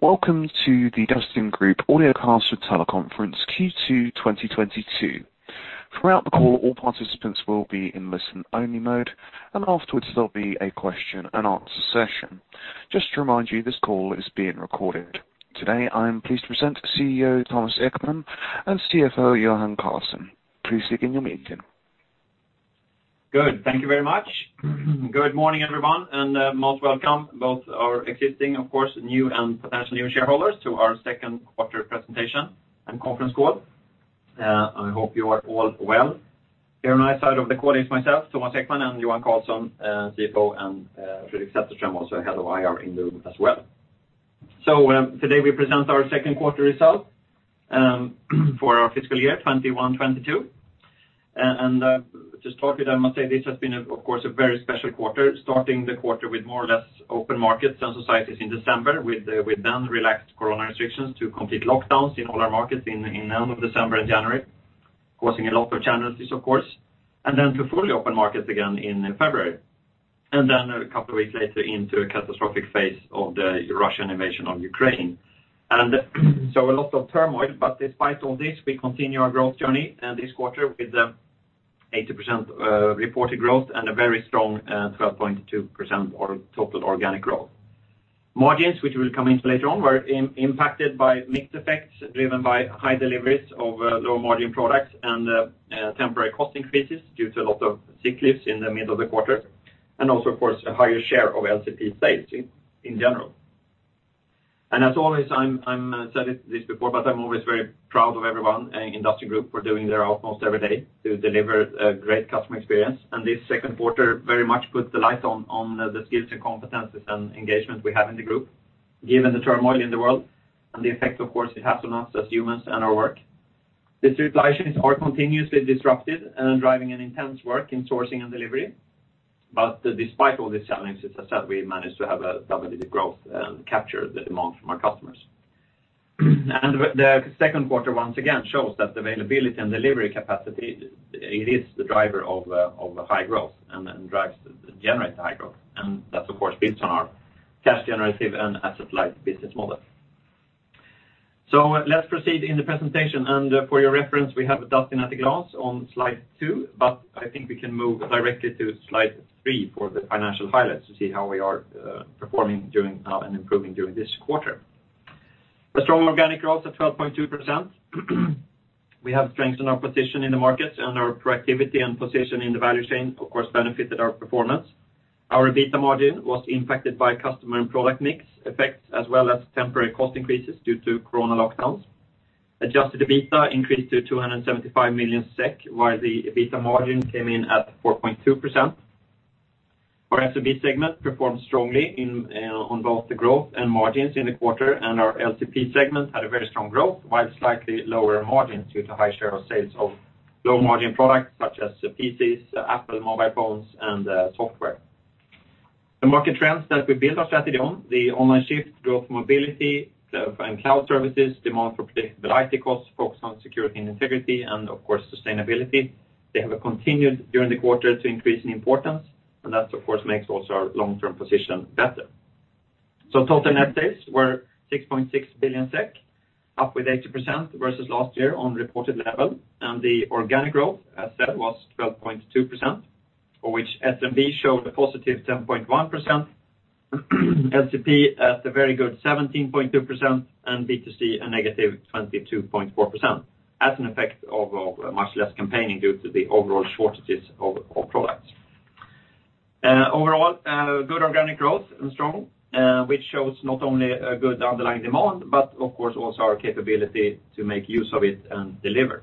Welcome to the Dustin Group Audio Cast with Teleconference Q2 2022. Throughout the call, all participants will be in Listen-Only Mode, and afterwards, there'll be a Question-And-Answer session. Just to remind you, this call is being recorded. Today, I am pleased to present CEO Thomas Ekman and CFO Johan Karlsson. Please begin your meeting. Good. Thank you very much. Good morning, everyone, and most welcome, both our existing, of course, new and potential new shareholders to our second 1/4 presentation and conference call. I hope you are all well. Here on my side of the call is myself, Thomas Ekman, and Johan Karlsson, CFO, and Fredrik Zetterström, also Head of IR in the room as well. Today we present our second 1/4 results for our fiscal year 2021-2022. To start with, I must say this has been, of course, a very special 1/4, starting the 1/4 with more or less open markets and societies in December with the then relaxed corona restrictions to complete lockdowns in all our markets in the end of December and January, causing a lot of challenges, of course. Then to fully open markets again in February. A couple of weeks later into a catastrophic phase of the Russian invasion of Ukraine. A lot of turmoil, but despite all this, we continue our growth journey this 1/4 with 80% reported growth and a very strong 12.2% total organic growth. Margins, which we'll come into later on, were impacted by mix effects, driven by high deliveries of low-margin products and temporary cost increases due to a lot of sick leaves in the middle of the 1/4, and also, of course, a higher share of LCP sales in general. As always, I've said it before, but I'm always very proud of everyone in Dustin Group for doing their utmost every day to deliver a great customer experience. This second 1/4 very much puts the light on the skills and competencies and engagement we have in the group, given the turmoil in the world and the effect, of course, it has on us as humans and our work. The supply chains are continuously disrupted and driving an intense work in sourcing and delivery. Despite all these challenges, as I said, we managed to have a double-digit growth and capture the demand from our customers. The second 1/4, once again, shows that availability and delivery capacity, it is the driver of high growth and generates high growth. That, of course, builds on our cash generative and asset-light business model. Let's proceed in the presentation. For your reference, we have Dustin at a glance on Slide 2, but I think we can move directly to Slide 3 for the financial highlights to see how we are performing during and improving during this 1/4. A strong organic growth of 12.2%. We have strengthened our position in the markets, and our proactivity and position in the value chain, of course, benefited our performance. Our EBITDA margin was impacted by customer and product mix effects, as well as temporary cost increases due to corona lockdowns. Adjusted EBITDA increased to 275 million SEK, while the EBITDA margin came in at 4.2%. Our SMB segment performed strongly on both the growth and margins in the 1/4, and our LCP segment had a very strong growth, while slightly lower margins due to high share of sales of low-margin products such as PCs, Apple mobile phones, and software. The market trends that we build our strategy on, the online shift growth, mobility, and cloud services, demand for predictability, costs focused on security and integrity, and of course, sustainability. They have continued during the 1/4 to increase in importance, and that, of course, makes also our long-term position better. Total net sales were 6.6 billion SEK, up 80% versus last year on reported level. The organic growth, as said, was 12.2%, for which SMB showed a positive 10.1%, LCP at a very good 17.2%, and B2C a negative 22.4% as an effect of much less campaigning due to the overall shortages of products. Overall, good organic growth and strong, which shows not only a good underlying demand, but of course, also our capability to make use of it and deliver.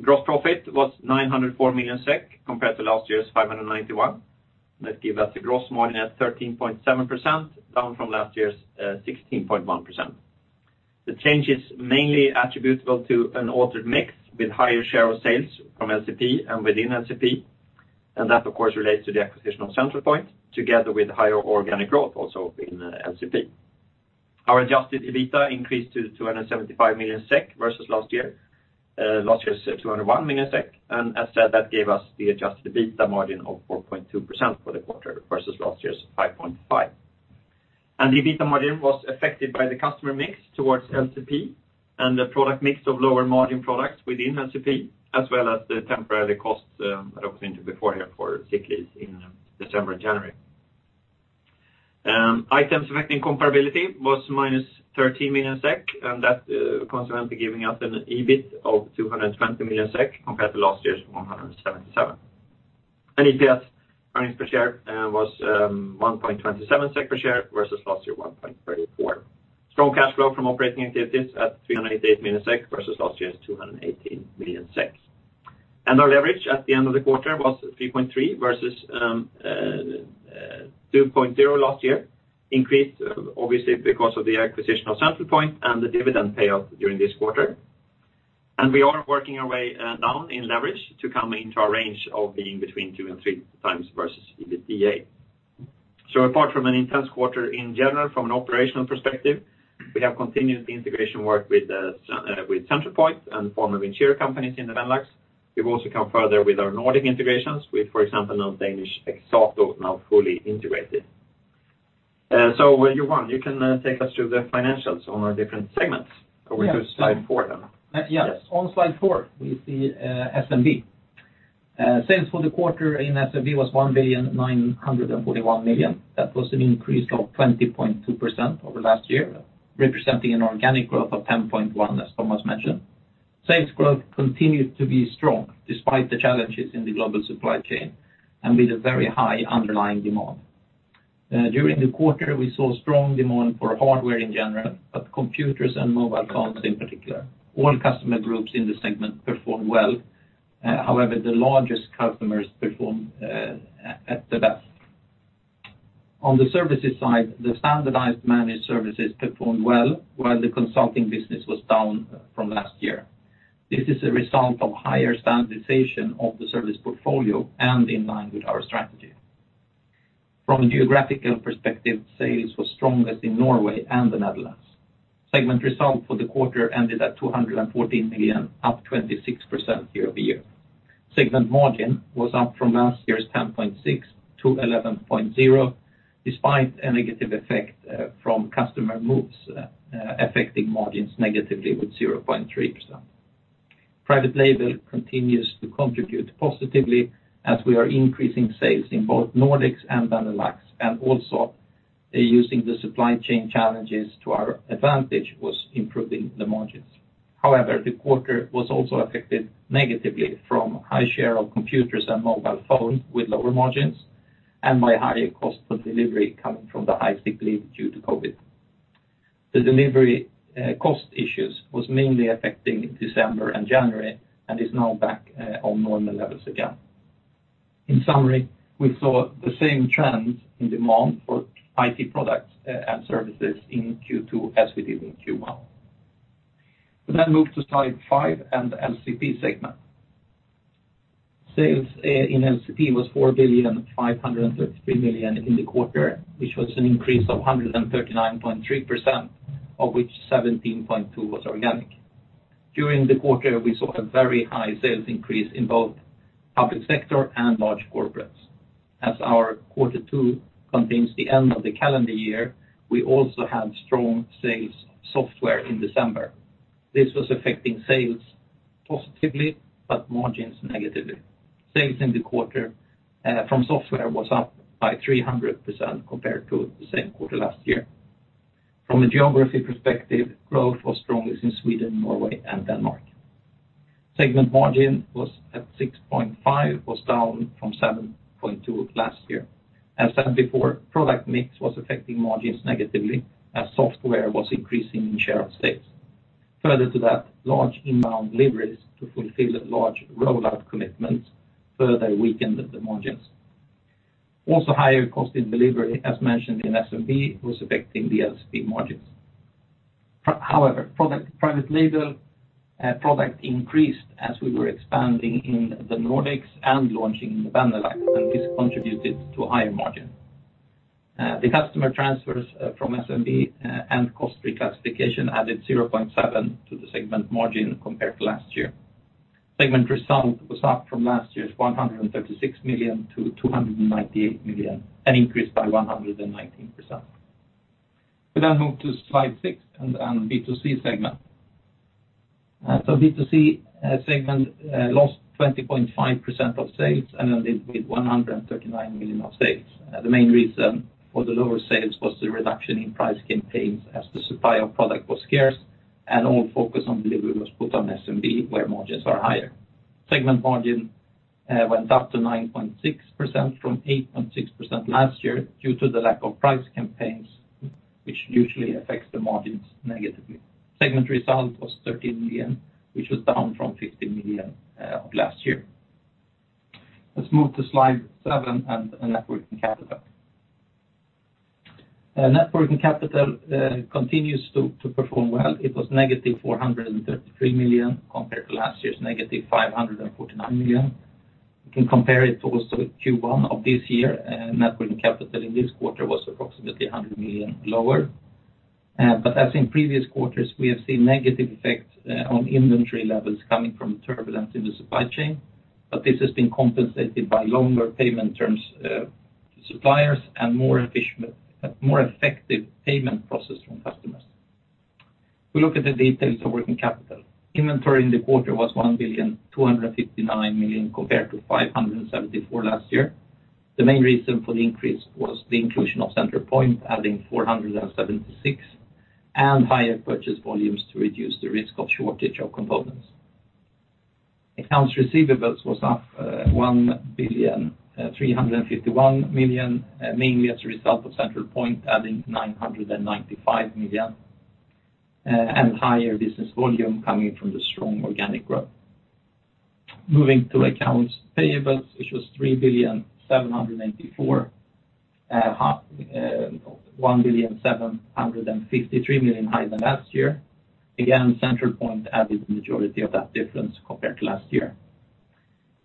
Gross profit was 904 million SEK compared to last year's 591. That give us a gross margin at 13.7%, down from last year's 16.1%. The change is mainly attributable to an altered mix with higher share of sales from LCP and within LCP, and that, of course, relates to the acquisition of Centralpoint, together with higher organic growth also in LCP. Our adjusted EBITDA increased to 275 million SEK versus last year, last year's 201 million SEK. As said, that gave us the adjusted EBITDA margin of 4.2% for the 1/4 versus last year's 5.5%. The EBITDA margin was affected by the customer mix towards LCP and the product mix of Lower-Margin products within LCP, as well as the temporary costs that I went into before here for sick leaves in December and January. Items affecting comparability was -13 million SEK, and that consequently giving us an EBIT of 220 million SEK compared to last year's 177. EPS, earnings per share, was 1.27 SEK per share versus last year 1.34. Strong cash flow from operating activities at 388 million SEK versus last year's 218 million SEK. Our leverage at the end of the 1/4 was 3.3 versus 2.0 last year, increased obviously because of the acquisition of Centralpoint and the dividend payout during this 1/4. We are working our way down in leverage to come into a range of being between 2 and 3 times versus EBITDA. Apart from an intense 1/4 in general, from an operational perspective, we have continued the integration work with Centralpoint and former Vincere companies in the Benelux. We've also come further with our Nordic integrations with, for example, now Danish Exato now fully integrated. When you want, you can take us through the financials on our different segments. Or we go Slide 4 then. Yes. On Slide 4, we see SMB. Sales for the 1/4 in SMB was 1,941 million. That was an increase of 20.2% over last year, representing an organic growth of 10.1%, as Thomas mentioned. Sales growth continued to be strong despite the challenges in the global supply chain and with a very high underlying demand. During the 1/4, we saw strong demand for hardware in general, but computers and mobile phones in particular. All customer groups in this segment performed well. However, the largest customers performed at the best. On the services side, the standardized managed services performed well, while the consulting business was down from last year. This is a result of higher standardization of the service portfolio and in line with our strategy. From a geographical perspective, sales was strongest in Norway and the Netherlands. Segment result for the 1/4 ended at 214 million, up 26% year-over-year. Segment margin was up from last year's 10.6% to 11.0%, despite a negative effect from customer moves affecting margins negatively with 0.3%. Private label continues to contribute positively as we are increasing sales in both Nordics and Benelux, and also using the supply chain challenges to our advantage was improving the margins. However, the 1/4 was also affected negatively from high share of computers and mobile phones with lower margins, and by higher cost of delivery coming from the high sick leave due to COVID. The delivery cost issues was mainly affecting December and January and is now back on normal levels again. In summary, we saw the same trends in demand for IT products, and services in Q2 as we did in Q1. We then move to Slide 5 and LCP segment. Sales in LCP was 4,533 million in the 1/4, which was an increase of 139.3%, of which 17.2% was organic. During the 1/4, we saw a very high sales increase in both public sector and large corporates. As our 1/4 2 contains the end of the calendar year, we also had strong software sales in December. This was affecting sales positively, but margins negatively. Sales in the 1/4 from software was up by 300% compared to the same 1/4 last year. From a geography perspective, growth was strongest in Sweden, Norway, and Denmark. Segment margin was at 6.5%, down from 7.2% last year. As said before, product mix was affecting margins negatively as software was increasing in share of sales. Further to that, large inbound deliveries to fulfill large rollout commitments further weakened the margins. Also, higher cost in delivery, as mentioned in SMB, was affecting the LCP margins. However, private label product increased as we were expanding in the Nordics and launching in the Benelux, and this contributed to a higher margin. The customer transfers from SMB and cost reclassification added 0.7% to the segment margin compared to last year. Segment result was up from last year's 136 million to 298 million, an increase by 119%. We move to Slide 6 and B2C segment. B2C segment lost 20.5% of sales and ended with 139 million of sales. The main reason for the lower sales was the reduction in price campaigns as the supply of product was scarce, and all focus on delivery was put on SMB, where margins are higher. Segment margin went up to 9.6% from 8.6% last year due to the lack of price campaigns, which usually affects the margins negatively. Segment result was 13 million, which was down from 15 million last year. Let's move to Slide 7 and net working capital. Net working capital continues to perform well. It was negative 433 million compared to last year's negative 549 million. You can compare it also to Q1 of this year. Net working capital in this 1/4 was approximately 100 million lower. As in previous quarters, we have seen negative effects on inventory levels coming from turbulence in the supply chain, but this has been compensated by longer payment terms to suppliers and more efficient, more effective payment process from customers. We look at the details of working capital. Inventory in the 1/4 was 1,259 million compared to 574 million last year. The main reason for the increase was the inclusion of Centralpoint, adding 476 million, and higher purchase volumes to reduce the risk of shortage of components. Accounts receivable was up 1.351 billion, mainly as a result of Centralpoint adding 995 million and higher business volume coming from the strong organic growth. Moving to accounts payable, which was 3.784 billion, 1.753 billion higher than last year. Again, Centralpoint added the majority of that difference compared to last year.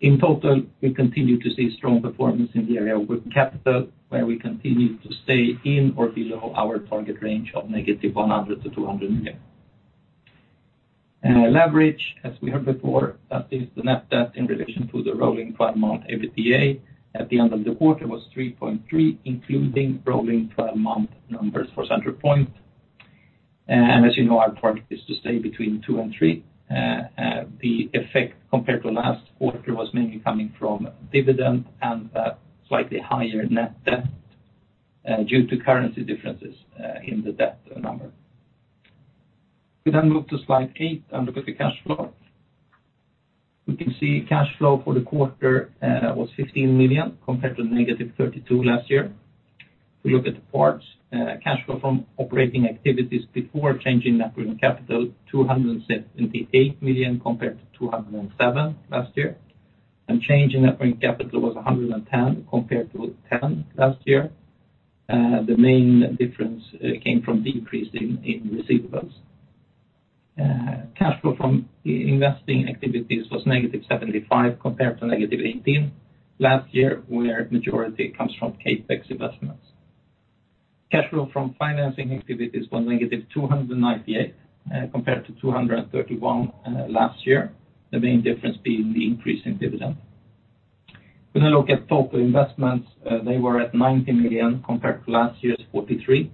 In total, we continue to see strong performance in the area of working capital, where we continue to stay in or below our target range of -100 million to 200 million. Leverage, as we heard before, that is the net debt in relation to the rolling twelve-month EBITDA at the end of the 1/4 was 3.3, including rolling twelve-month numbers for Centralpoint. As you know, our target is to stay between 2 and 3. The effect compared to last 1/4 was mainly coming from dividend and a slightly higher net debt due to currency differences in the debt number. We move to Slide 8 and look at the cash flow. We can see cash flow for the 1/4 was 15 million compared to -32 million last year. If we look at the parts, cash flow from operating activities before changing net working capital, 278 million compared to 207 million last year. Change in net working capital was 110 million compared to 10 million last year. The main difference came from decrease in receivables. Cash flow from investing activities was -75 million compared to -18 million last year, where majority comes from CapEx investments. Cash flow from financing activities was -298 million, compared to 231 million last year, the main difference being the increase in dividend. When I look at total investments, they were at 90 million compared to last year's 43.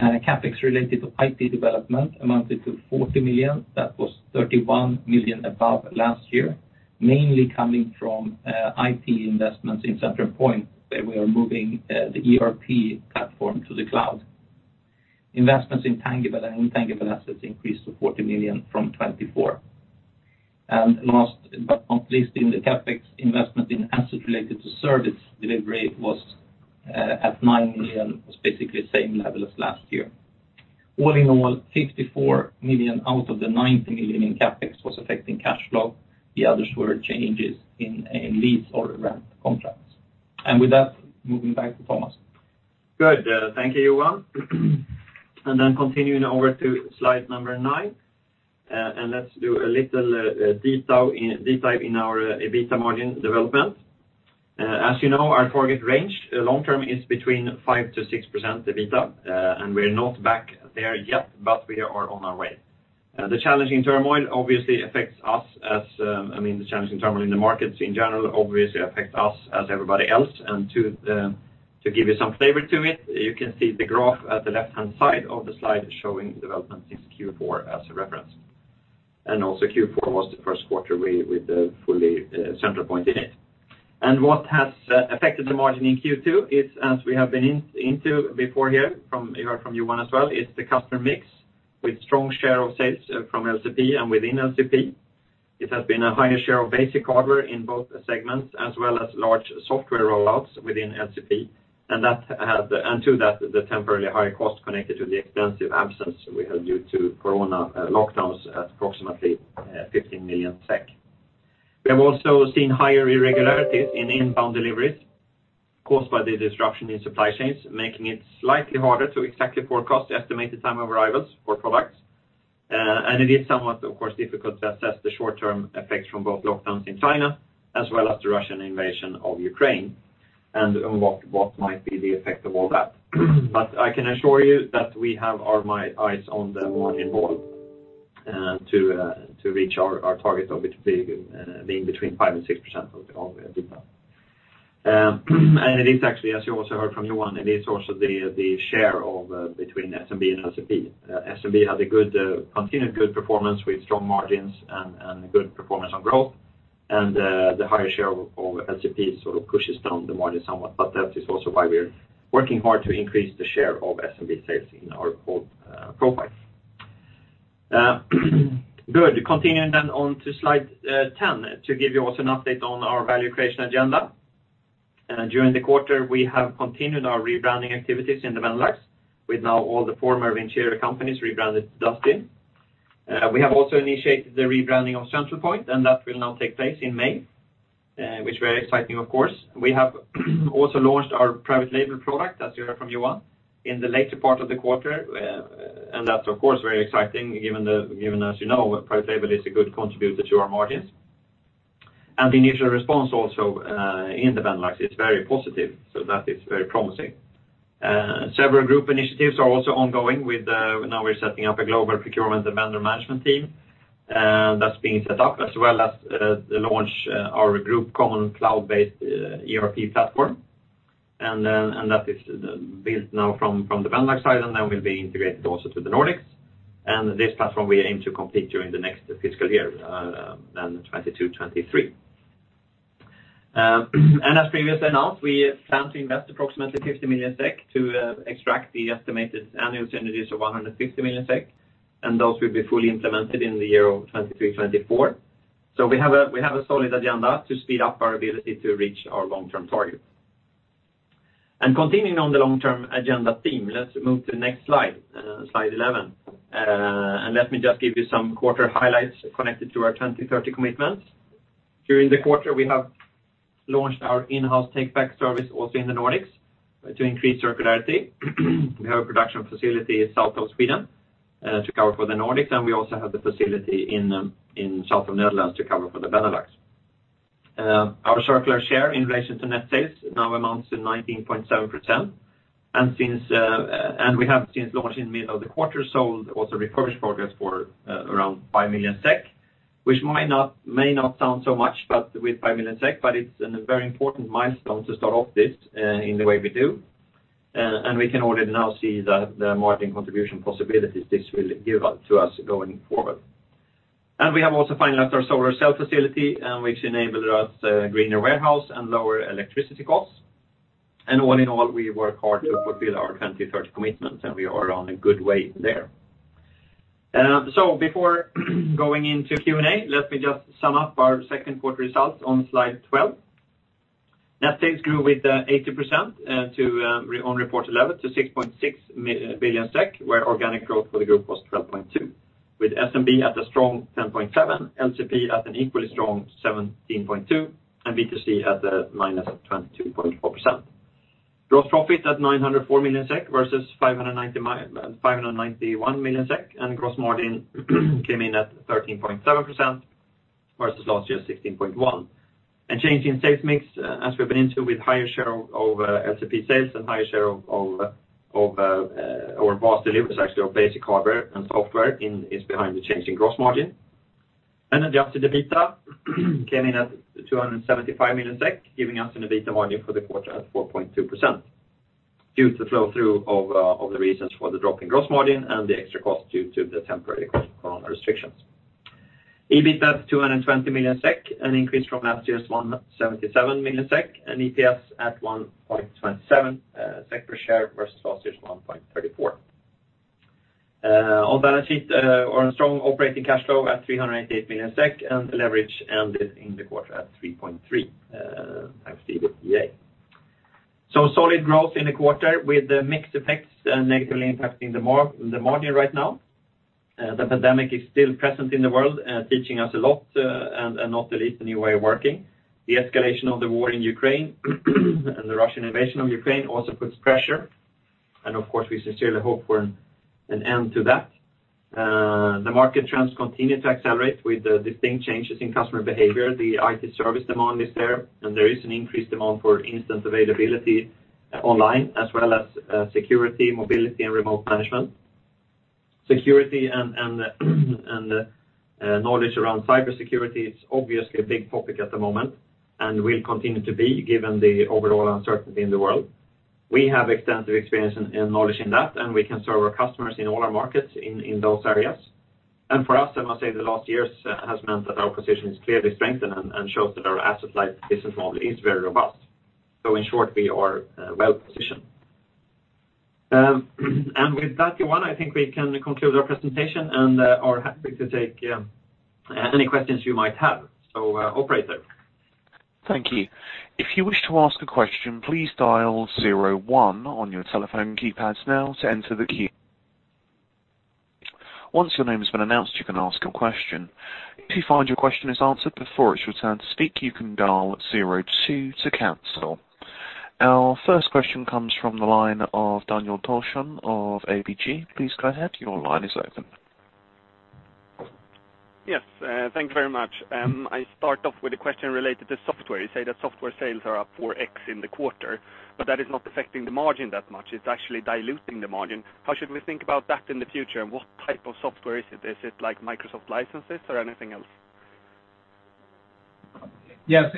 CapEx related to IT development amounted to 40 million. That was 31 million above last year, mainly coming from IT investments in Centralpoint, where we are moving the ERP platform to the cloud. Investments in tangible and intangible assets increased to 40 million from 24. Last but not least, in the CapEx investment in assets related to service delivery was at 9 million, basically the same level as last year. All in all, 54 million out of the 90 million in CapEx was affecting cash flow. The others were changes in lease or rent contracts. With that, moving back to Thomas. Good. Thank you, Johan. Continuing over to Slide number 9, let's do a little deep dive in our EBITDA margin development. As you know, our target range long term is between 5%-6% EBITDA, and we're not back there yet, but we are on our way. The challenging turmoil in the markets in general obviously affects us as everybody else. To give you some flavor to it, you can see the graph at the Left-Hand side of the Slide showing development since Q4 as a reference. Also Q4 was the first 1/4 really with fully Centralpoint in it. What has affected the margin in Q2 is, as we have been into before here, you heard from Johan as well, is the customer mix with strong share of sales from LCP and within LCP. It has been a higher share of basic hardware in both segments, as well as large software rollouts within LCP. That has, and to that, the temporarily higher cost connected to the extensive absence we had due to corona lockdowns at approximately 15 million SEK. We have also seen higher irregularities in inbound deliveries caused by the disruption in supply chains, making it slightly harder to exactly forecast the estimated time of arrivals for products. It is somewhat, of course, difficult to assess the short-term effects from both lockdowns in China as well as the Russian invasion of Ukraine and what might be the effect of all that. I can assure you that we have our eyes on the margin ball to reach our target of it being between 5% and 6% of EBITDA. It is actually, as you also heard from Johan, the share between SMB and LCP. SMB had a good continued good performance with strong margins and good performance on growth. The higher share of LCP sort of pushes down the margin somewhat, but that is also why we're working hard to increase the share of SMB sales in our whole profile. Good. Continuing on to Slide 10 to give you also an update on our value creation agenda. During the 1/4, we have continued our rebranding activities in the Benelux, with now all the former Vincere companies rebranded to Dustin. We have also initiated the rebranding of Centralpoint, and that will now take place in May, which is very exciting of course. We have also launched our private label product, as you heard from Johan, in the later part of the 1/4. That's of course very exciting given, as you know, private label is a good contributor to our margins. The initial response also in the Benelux is very positive, so that is very promising. Several group initiatives are also ongoing. Now we're setting up a global procurement and vendor management team that's being set up, as well as the launch of our group common Cloud-Based ERP platform. That is built now from the Benelux side and then will be integrated also to the Nordics. This platform we aim to complete during the next fiscal year then 2022-2023. As previously announced, we plan to invest approximately 50 million SEK to extract the estimated annual synergies of 150 million SEK, and those will be fully implemented in the year of 2023-2024. We have a solid agenda to speed up our ability to reach our long-term targets. Continuing on the long-term agenda theme, let's move to the next Slide 11. Let me just give you some 1/4 highlights connected to our 2030 commitments. During the 1/4, we have launched our In-House take back service also in the Nordics to increase circularity. We have a production facility south of Sweden to cover for the Nordics, and we also have the facility in south of Netherlands to cover for the Benelux. Our circular share in relation to net sales now amounts to 19.7%. Since we launched in the middle of the 1/4, we have sold also refurbished products for around 5 million SEK, which may not sound so much, but with 5 million SEK, it's a very important milestone to start off this in the way we do. We can already now see the margin contribution possibilities this will give out to us going forward. We have also finalized our solar cell facility, which enabled us a greener warehouse and lower electricity costs. All in all, we work hard to fulfill our 2030 commitment, and we are on a good way there. Before going into Q&A, let me just sum up our second 1/4 results on Slide 12. Net sales grew with 80%, to, on report level to 6.6 billion SEK, where organic growth for the group was 12.2%, with SMB at a strong 10.7%, LCP at an equally strong 17.2%, and B2C at a minus 22.4%. Gross profit at 904 million SEK versus 591 million SEK, and gross margin came in at 13.7% versus last year's 16.1%. A change in sales mix, as we've been into with higher share of LCP sales and higher share of our vast deliveries, actually of basic hardware and software is behind the change in gross margin. The adjusted EBITDA came in at 275 million, giving us an EBITDA margin for the 1/4 at 4.2% due to the flow-through of the reasons for the drop in gross margin and the extra cost due to the temporary corona restrictions. EBIT at 220 million SEK, an increase from last year's 177 million SEK, and EPS at 1.27 SEK per share versus last year's 1.34. On balance sheet, on a strong operating cash flow at 388 million SEK, and the leverage ended in the 1/4 at 3.3x EBITDA. Solid growth in the 1/4 with the mixed effects negatively impacting the margin right now. The pandemic is still present in the world, teaching us a lot, and not the least a new way of working. The escalation of the war in Ukraine and the Russian invasion of Ukraine also puts pressure. Of course, we sincerely hope for an end to that. The market trends continue to accelerate with the distinct changes in customer behavior. The IT service demand is there, and there is an increased demand for instance, availability online as well as security, mobility, and remote management. Security and knowledge around cybersecurity is obviously a big topic at the moment and will continue to be given the overall uncertainty in the world. We have extensive experience and knowledge in that, and we can serve our customers in all our markets in those areas. For us, I must say the last years has meant that our position is clearly strengthened and shows that our asset-light business model is very robust. In short, we are well-positioned. With that one, I think we can conclude our presentation and are happy to take any questions you might have. Operator. Thank you. If you wish to ask a question, please dial zero one on your telephone keypads now to enter the queue. Once your name has been announced, you can ask a question. If you find your question is answered before it's your turn to speak, you can dial zero 2 to cancel. Our first question comes from the line of Daniel Thorsson of ABG. Please go ahead. Your line is open. Yes, thank you very much. I start off with a question related to software. You say that software sales are up 4x in the 1/4, but that is not affecting the margin that much. It's actually diluting the margin. How should we think about that in the future? What type of software is it? Is it like Microsoft licenses or anything else? Yes.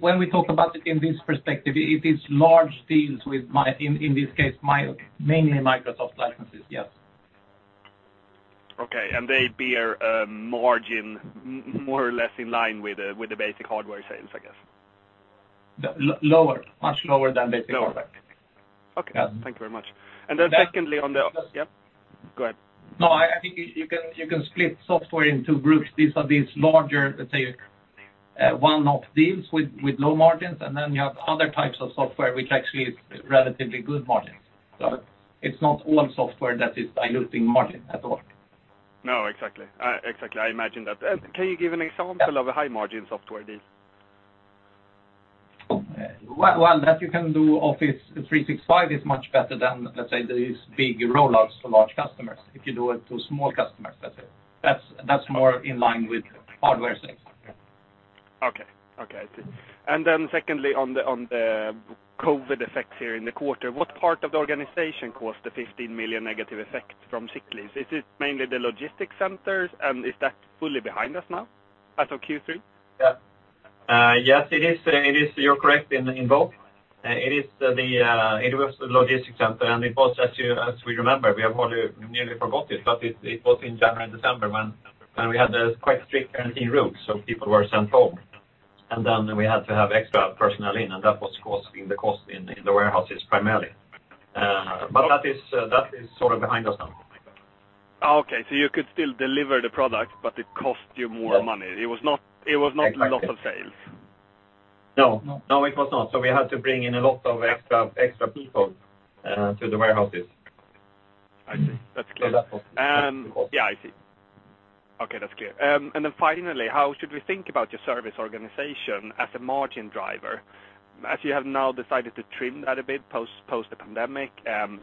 When we talk about it in this perspective, it is large deals with, in this case, mainly Microsoft licenses, yes. Okay. They bear a margin more or less in line with the basic hardware sales, I guess? Lower, much lower than basic hardware. Lower. Okay. Thank you very much. Secondly, yep, go ahead. No, I think you can split software into groups. These are larger, let's say, one-off deals with low margins, and then you have other types of software which actually is relatively good margins. It's not all software that is diluting margin at all. No, exactly. I imagine that. Can you give an example of a high margin software deal? Well, that you can do Microsoft 365 is much better than, let's say, these big roll-outs to large customers. If you do it to small customers, let's say. That's more in line with hardware sales. Okay. I see. Secondly, on the COVID effects here in the 1/4, what part of the organization caused the 15 million negative effect from sick leaves? Is it mainly the logistics centers? Is that fully behind us now as of Q3? Yeah. Yes, it is. You're correct in both. It was the logistics center, and it was as we remember, we had nearly forgotten it, but it was in January and December when we had quite strict quarantine rules, so people were sent home. Then we had to have extra personnel in, and that was causing the cost in the warehouses primarily. That is sort of behind us now. Okay. You could still deliver the product, but it cost you more money. Yes. It was not loss of sales. No. No, it was not. We had to bring in a lot of extra people to the warehouses. I see. That's clear. That was. Yeah, I see. Okay, that's clear. Finally, how should we think about your service organization as a margin driver, as you have now decided to trim that a bit post the pandemic,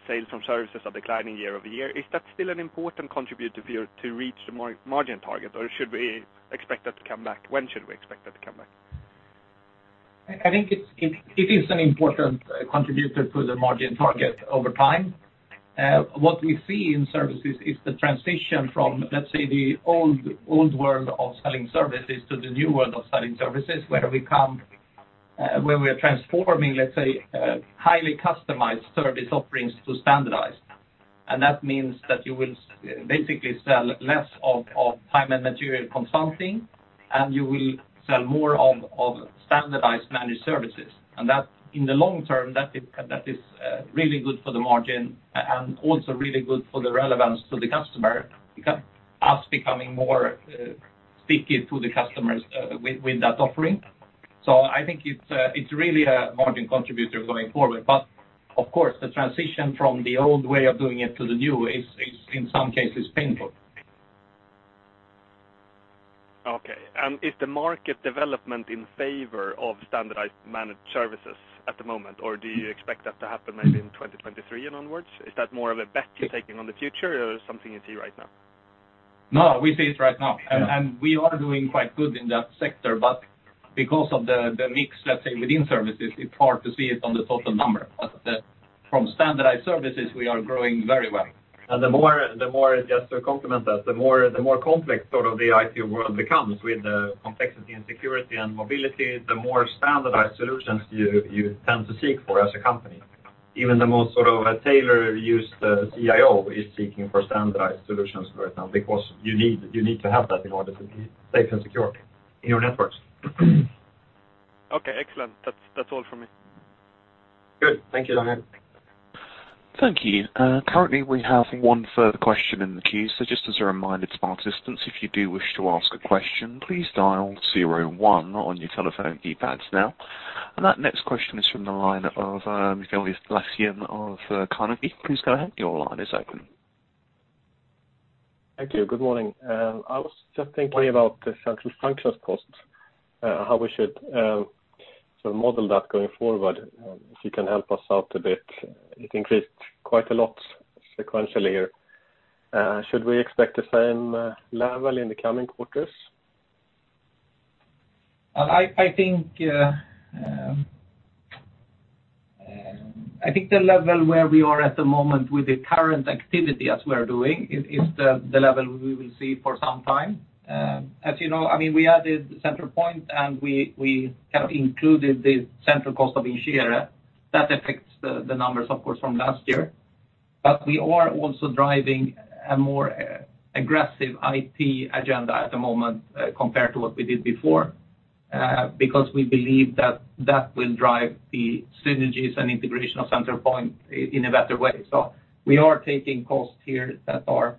sales from services are declining year over year. Is that still an important contributor for you to reach the margin target, or should we expect that to come back? When should we expect that to come back? I think it is an important contributor to the margin target over time. What we see in services is the transition from, let's say, the old world of selling services to the new world of selling services, where we are transforming, let's say, highly customized service offerings to standardized. That means that you will basically sell less of time and material consulting, and you will sell more of standardized managed services. In the long term, that is really good for the margin and also really good for the relevance to the customer, us becoming more sticky to the customers with that offering. I think it's really a margin contributor going forward. Of course, the transition from the old way of doing it to the new is, in some cases, painful. Okay. Is the market development in favor of standardized managed services at the moment, or do you expect that to happen maybe in 2023 and onwards? Is that more of a bet you're taking on the future or something you see right now? No, we see it right now. Yeah. We are doing quite good in that sector, but because of the mix, let's say, within services, it's hard to see it on the total number. From standardized services, we are growing very well. The more, just to complement that, the more complex sort of the IT world becomes with the complexity and security and mobility, the more standardized solutions you tend to seek for as a company. Even the most sort of a tailor-made CIO is seeking for standardized solutions right now because you need to have that in order to be safe and secure in your networks. Okay, excellent. That's all from me. Good. Thank you, Johan. Thank you. Currently we have one further question in the queue. Just as a reminder to participants, if you do wish to ask a question, please dial zero one on your telephone keypads now. That next question is from the line of, Mikael Laséen of Carnegie. Thank you. Good morning. I was just thinking about the central functions cost, how we should sort of model that going forward. If you can help us out a bit. It increased quite a lot sequentially here. Should we expect the same level in the coming quarters? I think the level where we are at the moment with the current activity as we're doing is the level we will see for some time. As you know, I mean, we added Centralpoint and we kind of included the central cost of Vincere. That affects the numbers, of course, from last year. We are also driving a more aggressive IT agenda at the moment, compared to what we did before, because we believe that will drive the synergies and integration of Centralpoint in a better way. We are taking costs here that are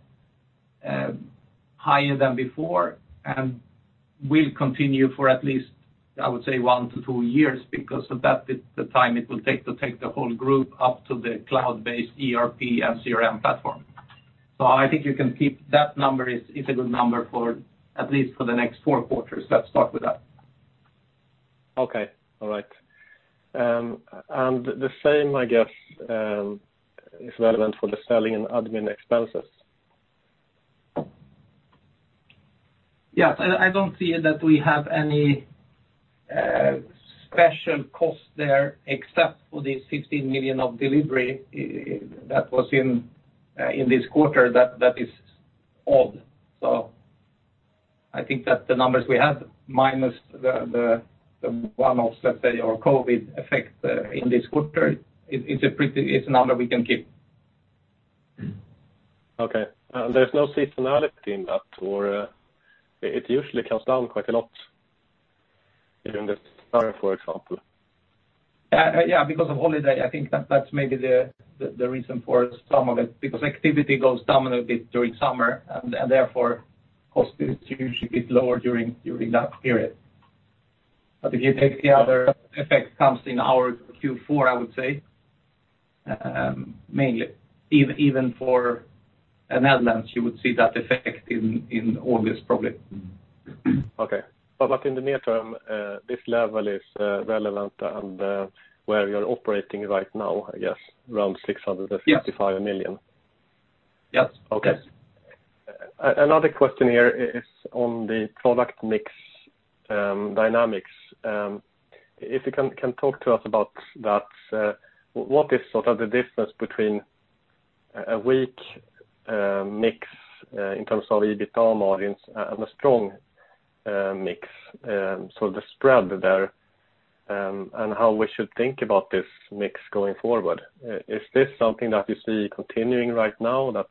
higher than before and will continue for at least, I would say, 1-2 years because of that is the time it will take to take the whole group up to the cloud-based ERP and CRM platform. I think you can keep that number is a good number for at least for the next 4 quarters. Let's start with that. Okay. All right. The same, I guess, is relevant for the selling and admin expenses? Yes. I don't see that we have any special cost there except for the 15 million of delivery. That was in this 1/4 that is odd. I think that the numbers we have minus the one-off, let's say, or COVID effect in this 1/4 is a number we can keep. Okay. There's no seasonality in that or, it usually comes down quite a lot in the summer, for example. Yeah, because of holiday, I think that's maybe the reason for some of it, because activity goes down a bit during summer and therefore cost is usually a bit lower during that period. If you take the other effect comes in our Q4, I would say, mainly. Even for the Netherlands, you would see that effect in August, probably. In the near term, this level is relevant and where you're operating right now, I guess around 655 million. Yes. Okay. Another question here is on the product mix dynamics. If you can talk to us about that. What is sort of the difference between a weak mix in terms of EBITA margins and a strong mix? The spread there, and how we should think about this mix going forward. Is this something that you see continuing right now that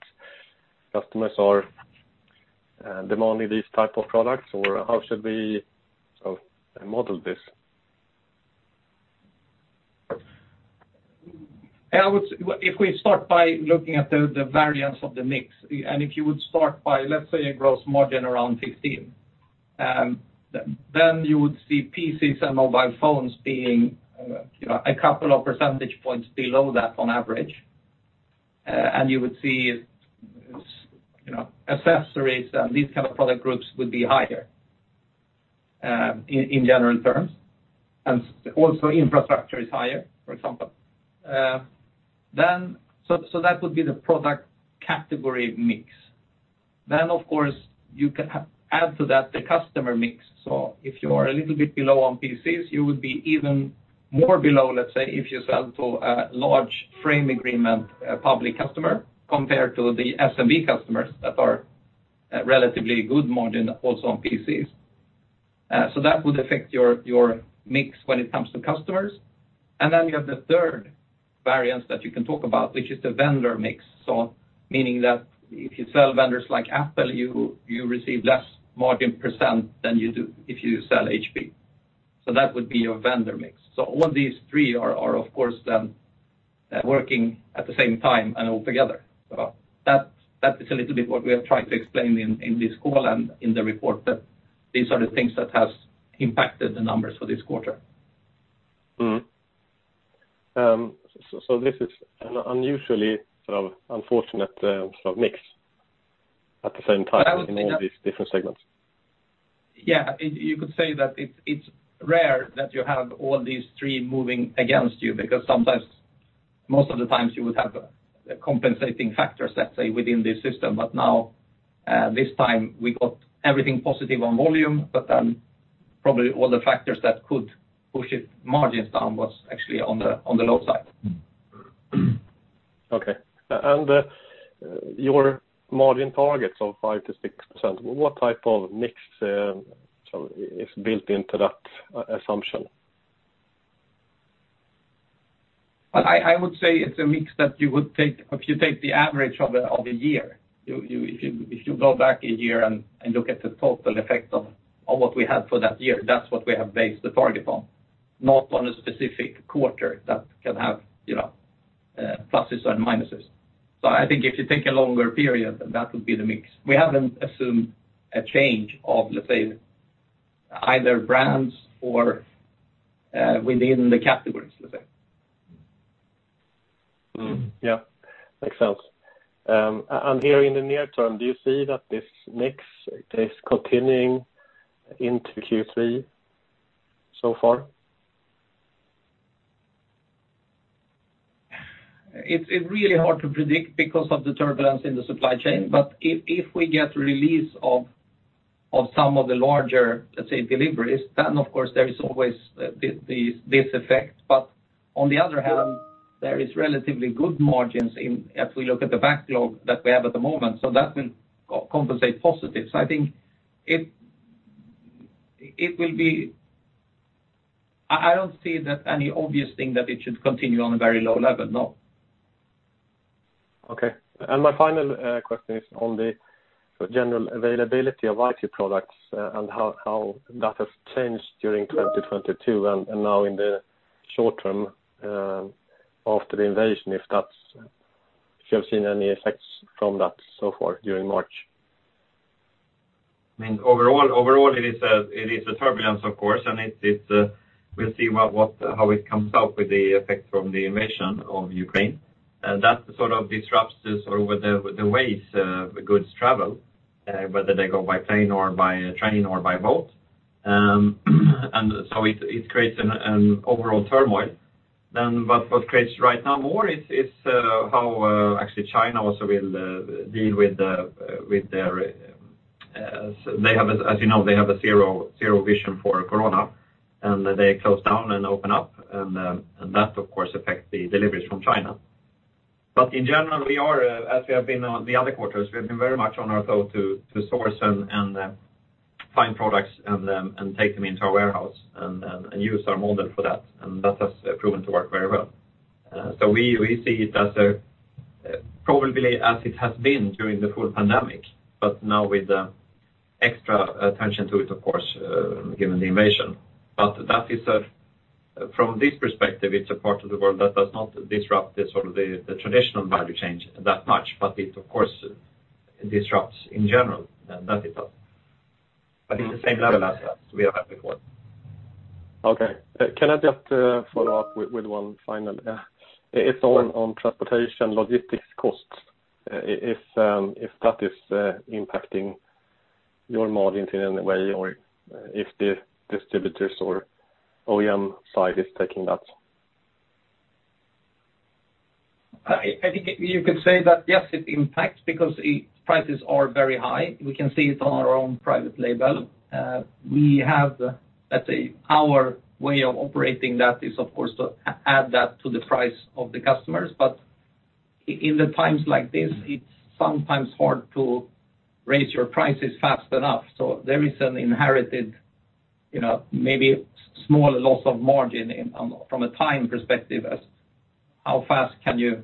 customers are demanding these type of products? Or how should we model this? If we start by looking at the variance of the mix, and if you would start by, let's say, a gross margin around 15%. Then you would see PCs and mobile phones being, you know, a couple of percentage points below that on average. You would see, you know, accessories, these type of product groups would be higher, in general terms, and also infrastructure is higher, for example. That would be the product category mix. Then, of course, you can add to that the customer mix. If you are a little bit below on PCs, you would be even more below, let's say, if you sell to a large frame agreement, public customer compared to the SMB customers that are relatively good margin also on PCs. That would affect your mix when it comes to customers. You have the 1/3 variance that you can talk about, which is the vendor mix. Meaning that if you sell vendors like Apple, you receive less margin percent than you do if you sell HP. That would be your vendor mix. All these 3 are of course then working at the same time and all together. That is a little bit what we are trying to explain in this call and in the report, that these are the things that has impacted the numbers for this 1/4. This is an unusually sort of unfortunate, sort of mix at the same time. Well, I would say that. In all these different segments. Yeah. You could say that it's rare that you have all these 3 moving against you, because sometimes, most of the times you would have compensating factors, let's say, within the system. Now, this time we got everything positive on volume, but then probably all the factors that could push its margins down was actually on the low side. Okay. Your margin targets of 5%-6%, what type of mix sort of is built into that assumption? Well, I would say it's a mix that you would take. If you take the average of a year, if you go back a year and look at the total effect of what we had for that year, that's what we have based the target on, not on a specific 1/4 that can have, you know, pluses and minuses. I think if you take a longer period, then that would be the mix. We haven't assumed a change of, let's say, either brands or within the categories, let's say. Yeah. Makes sense. Here in the near term, do you see that this mix is continuing into Q3 so far? It's really hard to predict because of the turbulence in the supply chain. If we get release of some of the larger, let's say, deliveries, then of course there is always this effect. On the other hand, there is relatively good margins in, as we look at the backlog that we have at the moment, so that will compensate positive. I think it will be. I don't see that any obvious thing that it should continue on a very low level, no. Okay. My final question is on the general availability of IT products and how that has changed during 2022 and now in the short term after the invasion, if you have seen any effects from that so far during March. I mean, overall it is a turbulence of course, and it's we'll see what how it comes out with the effect from the invasion of Ukraine. That sort of disrupts the ways goods travel, whether they go by plane or by train or by boat. It creates an overall turmoil. What creates right now more is how actually China also will deal with their. They have a, as you know, they have a zero zero vision for corona, and they close down and open up, and that of course affects the deliveries from China. In general, we are as we have been in the other quarters very much on our toes to source and find products and take them into our warehouse and use our model for that. That has proven to work very well. We see it as probably as it has been during the full pandemic, but now with extra attention to it of course, given the invasion. That is, from this perspective, a part of the world that does not disrupt sort of the traditional value chain that much, but it of course disrupts in general, and that is all. It's the same level as we have had before. Okay. Can I just follow up with one final. It's on transportation logistics costs, if that is impacting your margins in any way or if the distributors or OEM side is taking that? I think you could say that yes, it impacts because prices are very high. We can see it on our own private label. We have, let's say, our way of operating that is of course to add that to the price of the customers. In the times like this, it's sometimes hard to raise your prices fast enough. There is an inherent, you know, maybe small loss of margin from a time perspective as to how fast can you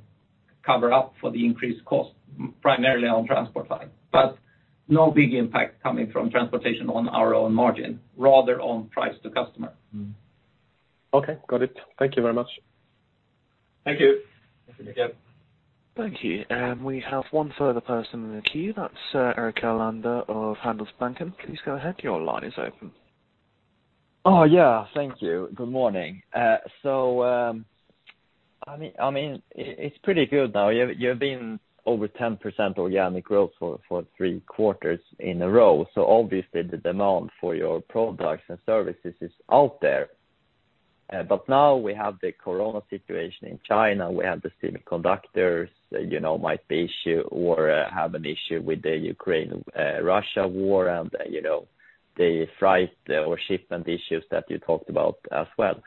cover up for the increased cost, primarily on transport side. No big impact coming from transportation on our own margin, rather on price to customer. Okay. Got it. Thank you very much. Thank you. Thank you. We have one further person in the queue. That's Daniel Djurberg of Handelsbanken. Please go ahead. Your line is open. Oh, yeah. Thank you. Good morning. I mean, it's pretty good now. You've been over 10% organic growth for 3 quarters in a row, so obviously the demand for your products and services is out there. Now we have the corona situation in China, we have the semiconductors, you know, might be issue or have an issue with the Ukraine-Russia war and, you know, the fr8 or shipment issues that you talked about as well.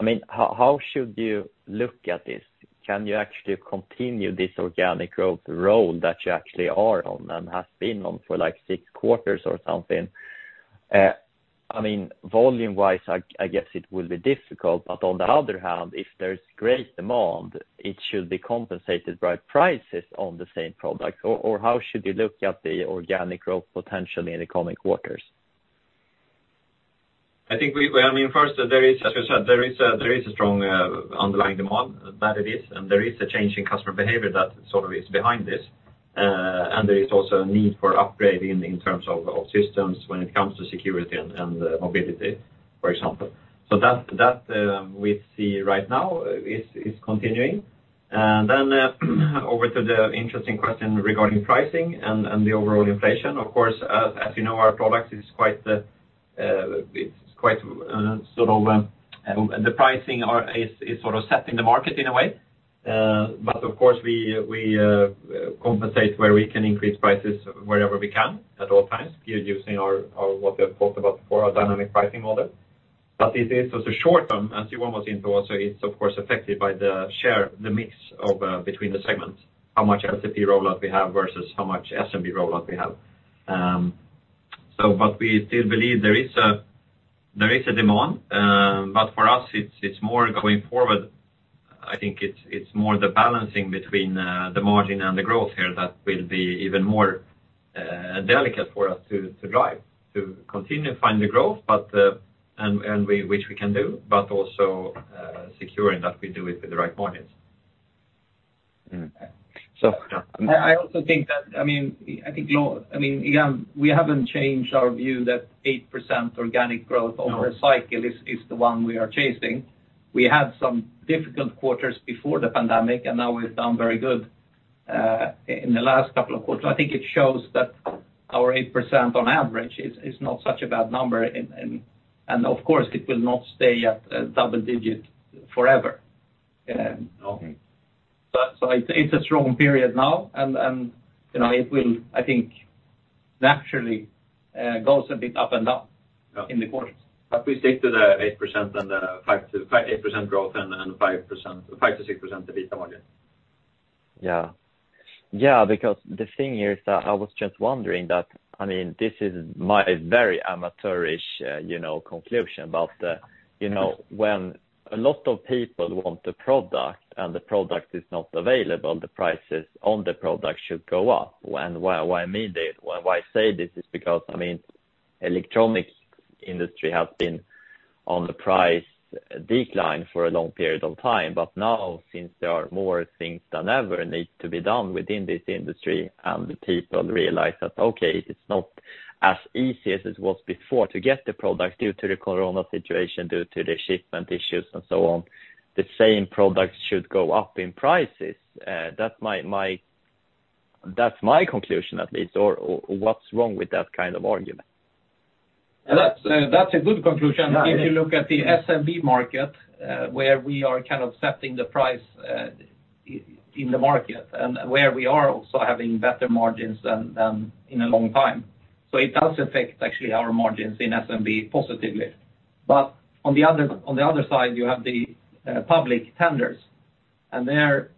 I mean, how should you look at this? Can you actually continue this organic growth role that you actually are on and have been on for, like, 6 quarters or something? I mean, Volume-Wise, I guess it will be difficult, but on the other hand, if there's great demand, it should be compensated by prices on the same product. How should you look at the organic growth potentially in the coming quarters? I think well, I mean, first, there is, as you said, there is a strong underlying demand. That it is. There is a change in customer behavior that sort of is behind this. There is also a need for upgrading in terms of systems when it comes to security and mobility, for example. That we see right now is continuing. Over to the interesting question regarding pricing and the overall inflation. Of course, as you know, our products is quite, it's quite, sort of, the pricing is sort of setting the market in a way. Of course, we compensate where we can increase prices wherever we can at all times using our what we have talked about before, our dynamic pricing model. It is so the short term, as you almost implied, so it's of course affected by the share, the mix of between the segments, how much LCP rollout we have versus how much SMB rollout we have. But we still believe there is a demand, but for us, it's more going forward. I think it's more the balancing between the margin and the growth here that will be even more delicate for us to drive, to continue to find the growth. And we which we can do, but also securing that we do it with the right margins. Mm. So- I also think that, I mean, again, we haven't changed our view that 8% organic growth over a cycle is the one we are chasing. We had some difficult quarters before the pandemic, and now we've done very good in the last couple of quarters. I think it shows that our 8% on average is not such a bad number. And of course it will not stay at double digit forever. It's a strong period now and you know, it will, I think, naturally goes a bit up and down. Yeah. in the course. We stick to the 8% and the 5-5.8% growth and 5%-6% EBITDA margin. Yeah. Yeah, because the thing here is that I was just wondering that, I mean, this is my very amateurish, you know, conclusion. You know, when a lot of people want a product and the product is not available, the prices on the product should go up. Why I say this is because, I mean, electronics industry has been on the price decline for a long period of time. Now, since there are more things than ever need to be done within this industry and the people realize that, okay, it's not as easy as it was before to get the product due to the corona situation, due to the shipment issues and so on, the same product should go up in prices. That's my conclusion, at least. Or what's wrong with that kind of argument? That's a good conclusion. If you look at the SMB market, where we are kind of setting the price in the market and where we are also having better margins than in a long time. It does affect actually our margins in SMB positively. On the other side, you have the public tenders, and there,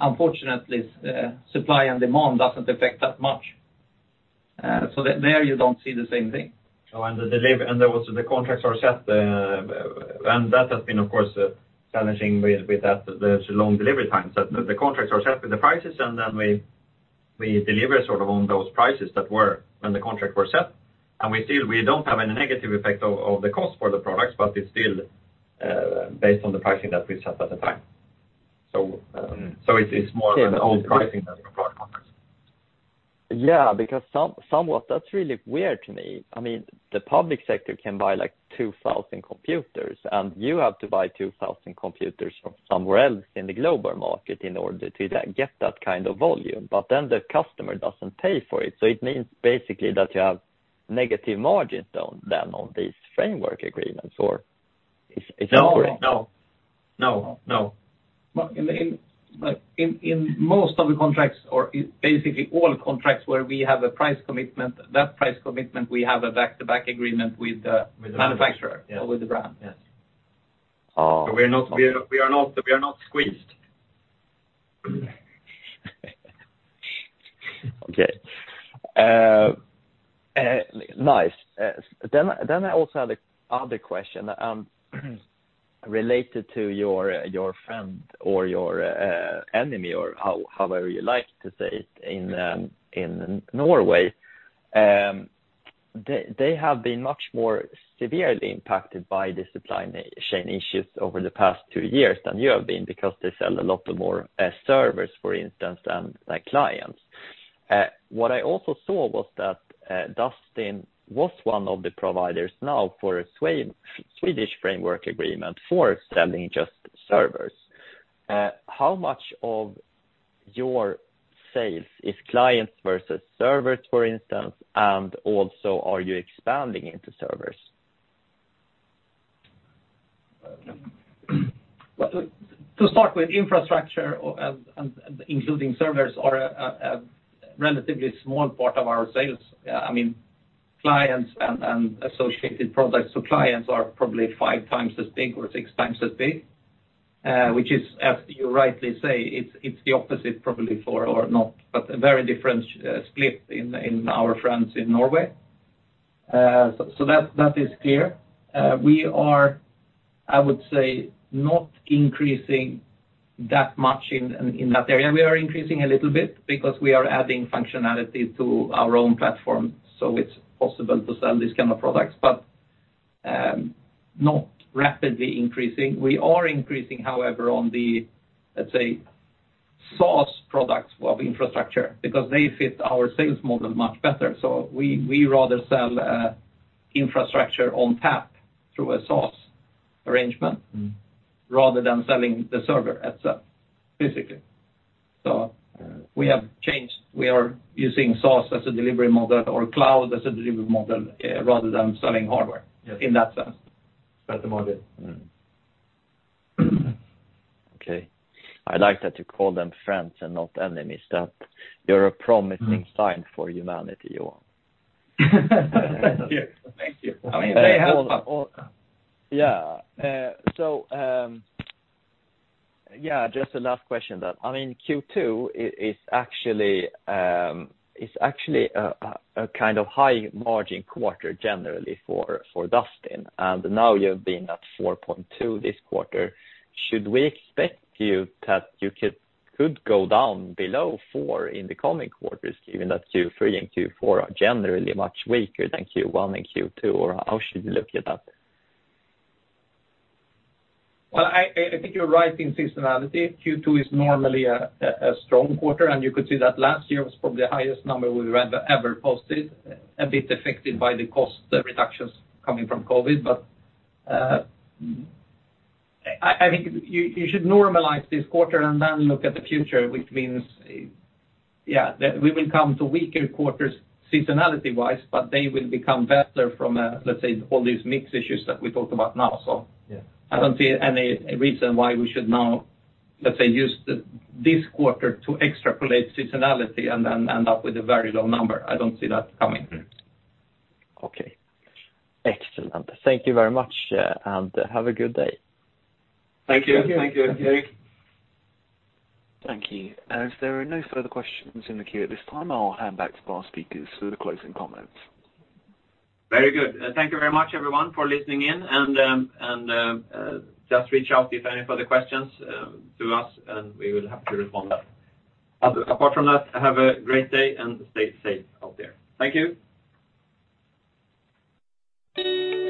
unfortunately, supply and demand doesn't affect that much. There you don't see the same thing. The delivery and also the contracts are set, and that has been of course challenging with that, the long delivery times. The contracts are set with the prices and then we deliver sort of on those prices that were when the contract were set. We still don't have any negative effect of the cost for the products, but it's still based on the pricing that we set at the time. It's more of an old pricing than product prices. Yeah, because somewhat that's really weird to me. I mean, the public sector can buy like 2,000 computers, and you have to buy 2,000 computers from somewhere else in the global market in order to get that kind of volume. Then the customer doesn't pay for it. It means basically that you have negative margins on them, on these framework agreements or is that correct? No. No. In, like, most of the contracts or basically all contracts where we have a price commitment, that price commitment we have a back-to-back agreement with the manufacturer or with the brand. Yes. Oh, okay. We are not squeezed. I also had another question related to your friend or your enemy or however you like to say it in Norway. They have been much more severely impacted by the supply chain issues over the past 2 years than you have been because they sell a lot more servers, for instance, than like clients. What I also saw was that Dustin was one of the providers now for a Swedish framework agreement for selling just servers. How much of your sales is clients versus servers, for instance, and also are you expanding into servers? To start with infrastructure and including servers are a relatively small part of our sales. I mean, clients and associated products to clients are probably 5 times as big or 6 times as big, which is, as you rightly say, it's the opposite probably for them or not, but a very different split in our friends in Norway. That is clear. We are, I would say, not increasing that much in that area. We are increasing a little bit because we are adding functionality to our own platform, so it's possible to sell these kind of products, but not rapidly increasing. We are increasing, however, in the, let's say, software products of infrastructure because they fit our sales model much better. We rather sell infrastructure on tap through a sourcing arrangement. Mm-hmm. Rather than selling the server itself, physically, we have changed. We are using SaaS as a delivery model or cloud as a delivery model, rather than selling hardware. Yes. in that sense. That's about it. Mm-hmm. Okay. I like that you call them friends and not enemies. Mm. Sign for humanity, Johan. Thank you. I mean, they have. So, yeah, just the last question then. I mean, Q2 is actually a kind of high margin 1/4 generally for Dustin, and now you've been at 4.2% this 1/4. Should we expect that you could go down below 4% in the coming quarters, given that Q3 and Q4 are generally much weaker than Q1 and Q2, or how should you look at that? Well, I think you're right in seasonality. Q2 is normally a strong 1/4, and you could see that last year was probably the highest number we've ever posted, a bit affected by the cost reductions coming from COVID. I think you should normalize this 1/4 and then look at the future, which means, yeah, that we will come to weaker quarters seasonality-wise, but they will become better from, let's say, all these mix issues that we talked about now. Yeah. I don't see any reason why we should now, let's say, use this 1/4 to extrapolate seasonality and then end up with a very low number. I don't see that coming. Mm-hmm. Okay. Excellent. Thank you very much, and have a good day. Thank you. Thank you. Thank you. Thank you. As there are no further questions in the queue at this time, I'll hand back to our speakers for the closing comments. Very good. Thank you very much everyone for listening in and just reach out if any further questions to us, and we will be happy to respond that. Apart from that, have a great day and stay safe out there. Thank you.